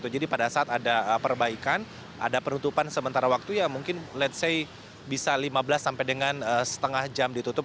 jadi pada saat ada perbaikan ada penutupan sementara waktu ya mungkin let's say bisa lima belas sampai dengan setengah jam ditutup